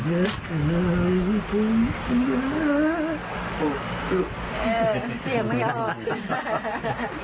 เออเสียงไม่ยอม